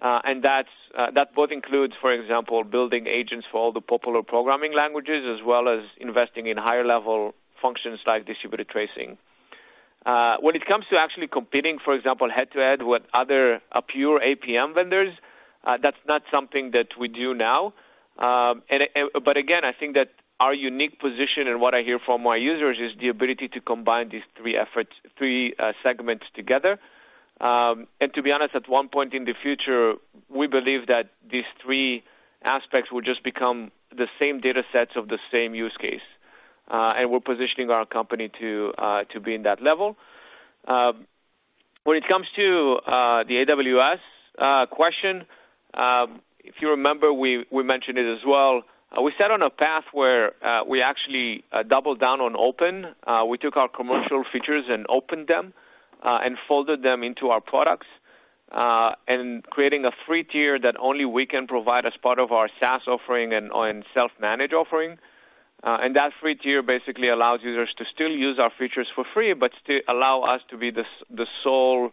S3: That both includes, for example, building agents for all the popular programming languages, as well as investing in higher-level functions like Distributed Tracing. When it comes to actually competing, for example, head-to-head with other pure APM vendors, that's not something that we do now. Again, I think that our unique position and what I hear from our users is the ability to combine these three segments together. To be honest, at one point in the future, we believe that these three aspects will just become the same data sets of the same use case. We're positioning our company to be in that level. When it comes to the AWS question, if you remember, we mentioned it as well. We set on a path where we actually doubled down on open. We took our commercial features and opened them, and folded them into our products, and creating a free tier that only we can provide as part of our SaaS offering and self-managed offering. That free tier basically allows users to still use our features for free, but still allow us to be the sole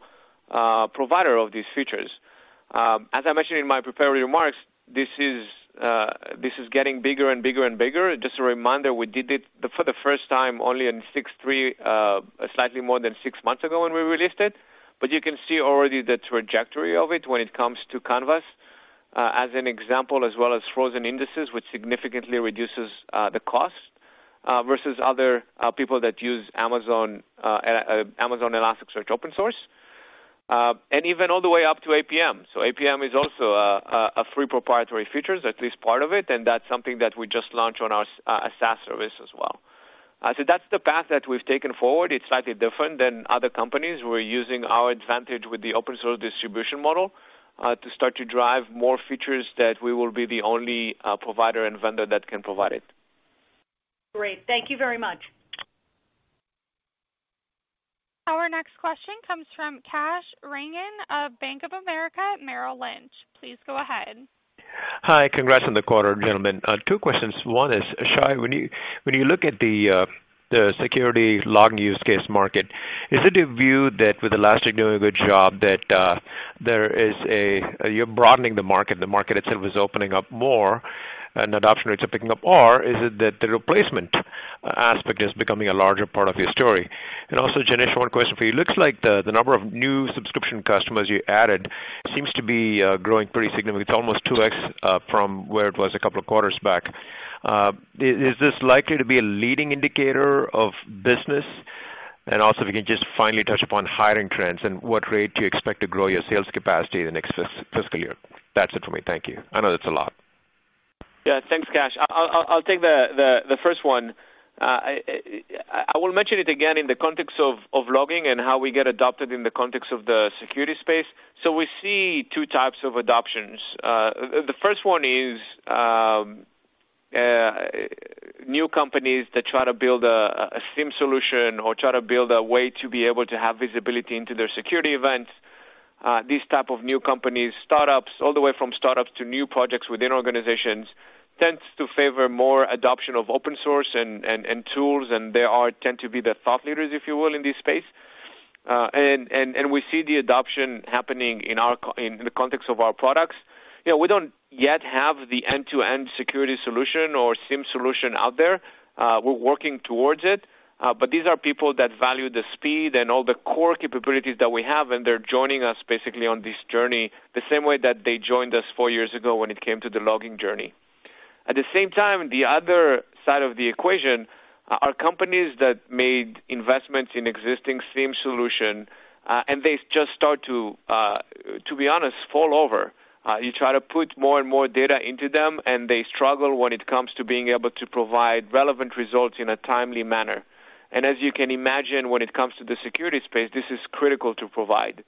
S3: provider of these features. As I mentioned in my prepared remarks, this is getting bigger and bigger. Just a reminder, we did it for the first time only in slightly more than 6 months ago when we released it. You can see already the trajectory of it when it comes to Canvas, as an example, as well as frozen indices, which significantly reduces the cost versus other people that use Amazon Elasticsearch Open Source, and even all the way up to APM. APM is also a free proprietary feature, at least part of it, and that's something that we just launched on our SaaS service as well. That's the path that we've taken forward. It's slightly different than other companies. We're using our advantage with the open source distribution model to start to drive more features that we will be the only provider and vendor that can provide it.
S8: Great. Thank you very much.
S1: Our next question comes from Kash Rangan of Bank of America Merrill Lynch. Please go ahead.
S9: Hi. Congrats on the quarter, gentlemen. Two questions. One is, Shay, when you look at the security log use case market, is it your view that with Elastic doing a good job, that you're broadening the market, the market itself is opening up more and adoption rates are picking up, or is it that the replacement aspect is becoming a larger part of your story? Janesh, one question for you. Looks like the number of new subscription customers you added seems to be growing pretty significantly. It's almost 2x from where it was a couple of quarters back. Is this likely to be a leading indicator of business? If you can just finally touch upon hiring trends and what rate do you expect to grow your sales capacity in the next fiscal year? That's it for me. Thank you. I know that's a lot.
S3: Yeah. Thanks, Kash. I'll take the first one. I will mention it again in the context of logging and how we get adopted in the context of the security space. We see 2 types of adoptions. The first one is new companies that try to build a SIEM solution or try to build a way to be able to have visibility into their security events. These type of new companies, all the way from startups to new projects within organizations, tends to favor more adoption of open source and tools, and they tend to be the thought leaders, if you will, in this space. We see the adoption happening in the context of our products. We don't yet have the end-to-end security solution or SIEM solution out there. We're working towards it. These are people that value the speed and all the core capabilities that we have, and they're joining us basically on this journey, the same way that they joined us four years ago when it came to the logging journey. At the same time, the other side of the equation are companies that made investments in existing SIEM solution, and they just start to be honest, fall over. You try to put more and more data into them, and they struggle when it comes to being able to provide relevant results in a timely manner. As you can imagine, when it comes to the security space, this is critical to provide.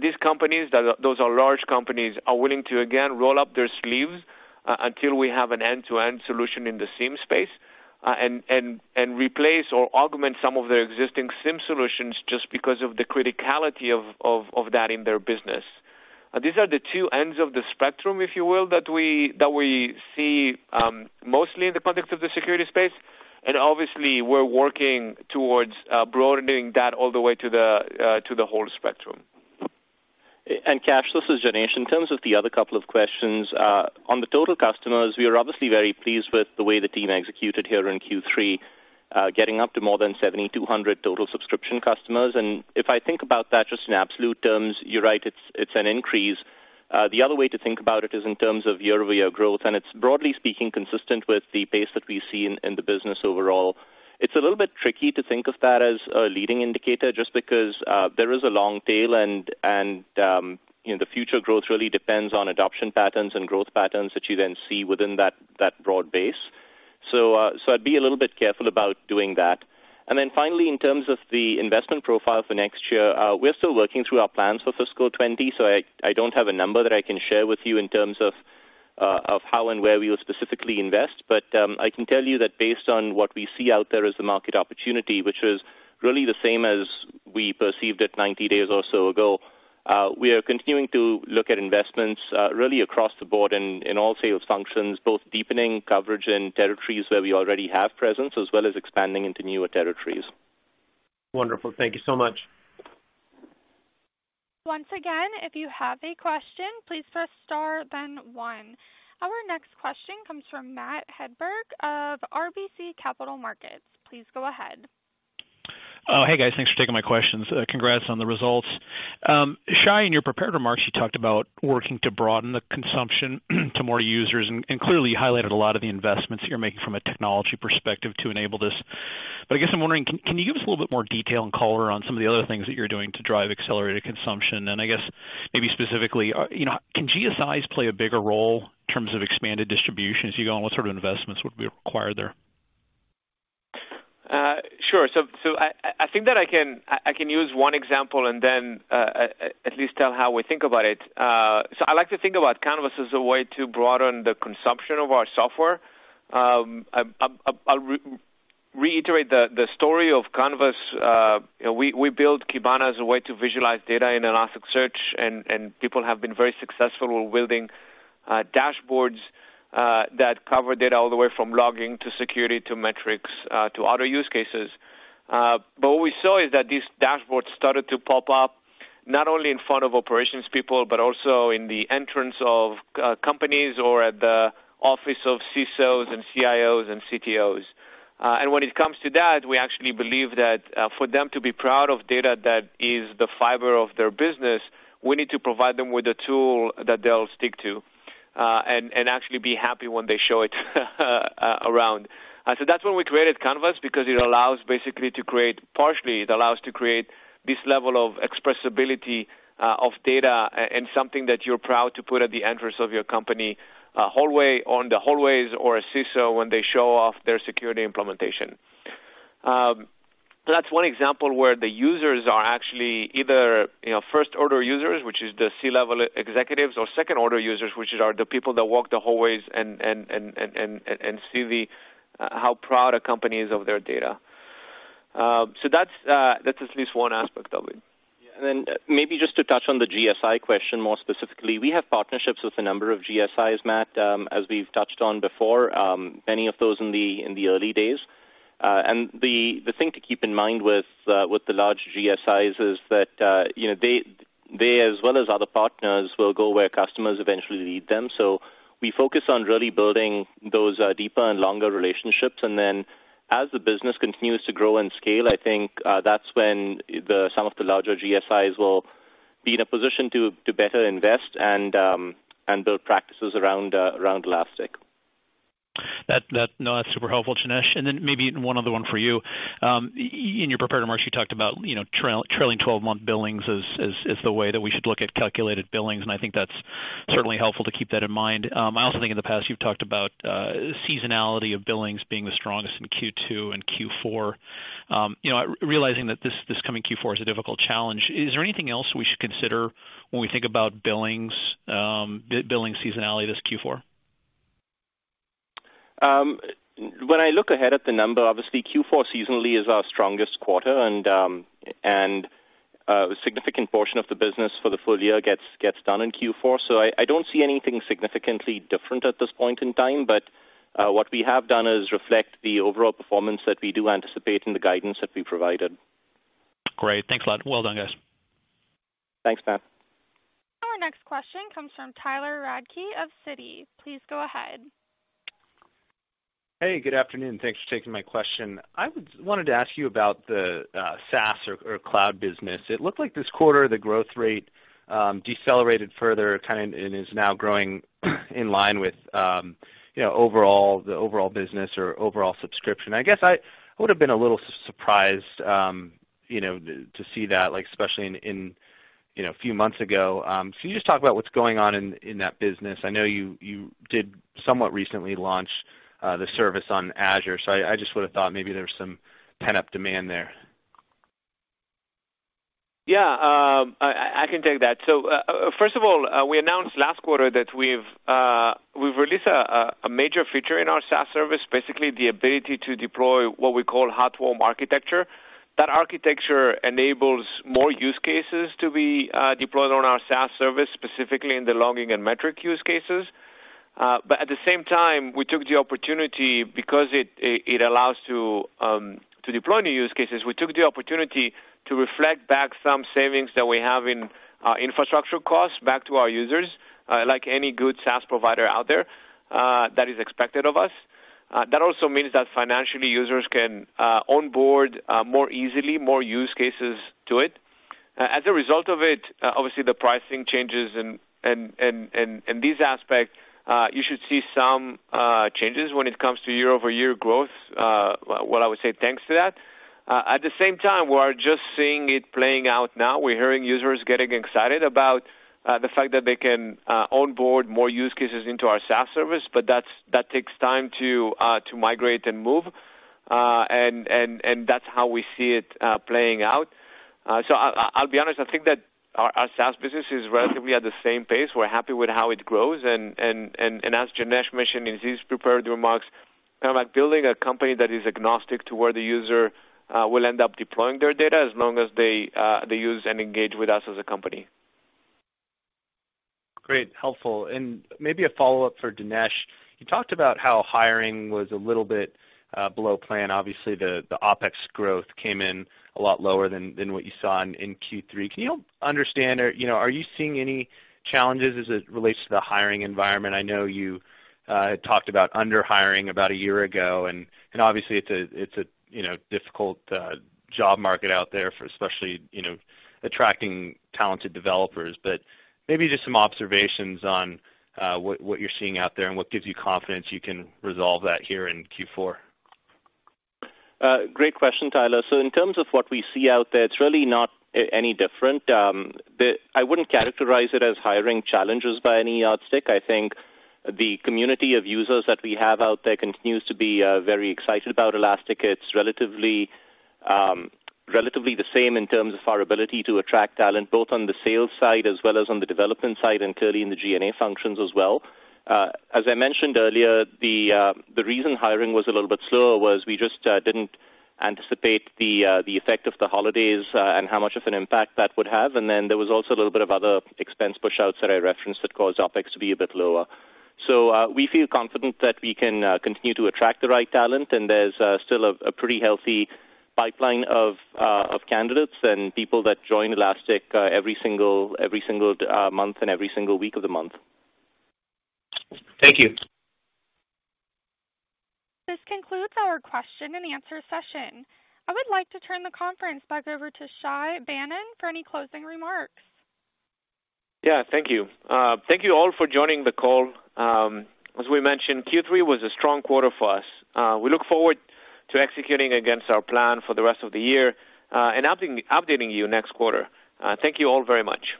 S3: These companies, those are large companies, are willing to, again, roll up their sleeves until we have an end-to-end solution in the SIEM space, and replace or augment some of their existing SIEM solutions just because of the criticality of that in their business. These are the two ends of the spectrum, if you will, that we see mostly in the context of the security space. Obviously, we're working towards broadening that all the way to the whole spectrum.
S4: Kash, this is Janesh. In terms of the other couple of questions, on the total customers, we are obviously very pleased with the way the team executed here in Q3, getting up to more than 7,200 total subscription customers. If I think about that just in absolute terms, you're right, it's an increase. The other way to think about it is in terms of year-over-year growth, and it's broadly speaking, consistent with the pace that we see in the business overall. It's a little bit tricky to think of that as a leading indicator just because there is a long tail, and the future growth really depends on adoption patterns and growth patterns that you then see within that broad base. I'd be a little bit careful about doing that. Finally, in terms of the investment profile for next year, we're still working through our plans for fiscal 2020, I don't have a number that I can share with you in terms of how and where we will specifically invest. I can tell you that based on what we see out there as the market opportunity, which is really the same as we perceived it 90 days or so ago. We are continuing to look at investments really across the board in all sales functions, both deepening coverage in territories where we already have presence, as well as expanding into newer territories.
S9: Wonderful. Thank you so much.
S1: Once again, if you have a question, please press star, then one. Our next question comes from Matthew Hedberg of RBC Capital Markets. Please go ahead.
S10: Hey, guys. Thanks for taking my questions. Congrats on the results. Shay, in your prepared remarks, you talked about working to broaden the consumption to more users, clearly, you highlighted a lot of the investments that you're making from a technology perspective to enable this. I guess I'm wondering, can you give us a little bit more detail and color on some of the other things that you're doing to drive accelerated consumption? I guess maybe specifically, can GSIs play a bigger role in terms of expanded distribution as you go on? What sort of investments would be required there?
S3: Sure. I think that I can use one example and then at least tell how we think about it. I like to think about Canvas as a way to broaden the consumption of our software. I'll reiterate the story of Canvas. We built Kibana as a way to visualize data in Elasticsearch, people have been very successful with building dashboards that cover data all the way from logging to security, to metrics, to other use cases. What we saw is that these dashboards started to pop up not only in front of operations people, but also in the entrance of companies or at the office of CSOs and CIOs and CTOs. When it comes to that, we actually believe that for them to be proud of data that is the fiber of their business, we need to provide them with a tool that they'll stick to, and actually be happy when they show it around. That's when we created Canvas, because it allows basically to create this level of expressibility of data and something that you're proud to put at the entrance of your company hallway on the hallways or a CSO when they show off their security implementation. That's one example where the users are actually either first-order users, which is the C-level executives, or second-order users, which are the people that walk the hallways and see how proud a company is of their data. That's at least one aspect of it.
S4: Yeah. Maybe just to touch on the GSI question more specifically, we have partnerships with a number of GSIs, Matt, as we've touched on before, many of those in the early days. The thing to keep in mind with the large GSIs is that they, as well as other partners, will go where customers eventually lead them. We focus on really building those deeper and longer relationships, then as the business continues to grow and scale, I think that's when some of the larger GSIs will be in a position to better invest and build practices around Elastic.
S10: No, that's super helpful, Janesh. Maybe one other one for you. In your prepared remarks, you talked about trailing 12-month billings as the way that we should look at calculated billings, and I think that's certainly helpful to keep that in mind. I also think in the past, you've talked about seasonality of billings being the strongest in Q2 and Q4. Realizing that this coming Q4 is a difficult challenge, is there anything else we should consider when we think about billings seasonality this Q4?
S4: When I look ahead at the number, obviously Q4 seasonally is our strongest quarter, and a significant portion of the business for the full year gets done in Q4. I don't see anything significantly different at this point in time. What we have done is reflect the overall performance that we do anticipate and the guidance that we provided.
S10: Great. Thanks a lot. Well done, guys.
S4: Thanks, Matt.
S1: Our next question comes from Tyler Radke of Citi. Please go ahead.
S11: Hey, good afternoon. Thanks for taking my question. I wanted to ask you about the SaaS or cloud business. It looked like this quarter, the growth rate decelerated further, and is now growing in line with the overall business or overall subscription. I guess I would've been a little surprised to see that, especially a few months ago. Can you just talk about what's going on in that business? I know you did somewhat recently launch the service on Azure, so I just would've thought maybe there was some pent-up demand there.
S3: Yeah. I can take that. First of all, we announced last quarter that we've released a major feature in our SaaS service, basically the ability to deploy what we call hot-warm architecture. That architecture enables more use cases to be deployed on our SaaS service, specifically in the logging and metric use cases. At the same time, we took the opportunity because it allows to deploy new use cases. We took the opportunity to reflect back some savings that we have in infrastructure costs back to our users, like any good SaaS provider out there. That is expected of us. That also means that financially, users can onboard more easily, more use cases to it. As a result of it, obviously, the pricing changes in this aspect, you should see some changes when it comes to year-over-year growth, what I would say, thanks to that. We are just seeing it playing out now. We're hearing users getting excited about the fact that they can onboard more use cases into our SaaS service, that takes time to migrate and move. That's how we see it playing out. I'll be honest, I think that our SaaS business is relatively at the same pace. We're happy with how it grows, and as Janesh mentioned in his prepared remarks. Kind of like building a company that is agnostic to where the user will end up deploying their data as long as they use and engage with us as a company.
S11: Great, helpful. Maybe a follow-up for Janesh. You talked about how hiring was a little bit below plan. Obviously, the OpEx growth came in a lot lower than what you saw in Q3. Can you understand or are you seeing any challenges as it relates to the hiring environment? I know you had talked about under-hiring about a year ago, and obviously it's a difficult job market out there for especially attracting talented developers. Maybe just some observations on what you're seeing out there and what gives you confidence you can resolve that here in Q4.
S4: Great question, Tyler. In terms of what we see out there, it's really not any different. I wouldn't characterize it as hiring challenges by any yardstick. I think the community of users that we have out there continues to be very excited about Elastic. It's relatively the same in terms of our ability to attract talent, both on the sales side as well as on the development side, and clearly in the G&A functions as well. As I mentioned earlier, the reason hiring was a little bit slower was we just didn't anticipate the effect of the holidays and how much of an impact that would have. Then there was also a little bit of other expense pushouts that I referenced that caused OpEx to be a bit lower. We feel confident that we can continue to attract the right talent, there's still a pretty healthy pipeline of candidates and people that join Elastic every single month and every single week of the month.
S11: Thank you.
S1: This concludes our question and answer session. I would like to turn the conference back over to Shay Banon for any closing remarks.
S3: Thank you. Thank you all for joining the call. As we mentioned, Q3 was a strong quarter for us. We look forward to executing against our plan for the rest of the year and updating you next quarter. Thank you all very much.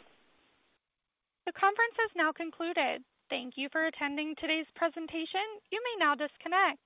S1: The conference has now concluded. Thank you for attending today's presentation. You may now disconnect.